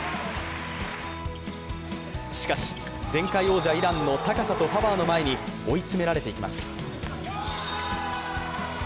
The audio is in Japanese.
しかし、前回王者・イランの高さとパワーの前に追い詰められていきます。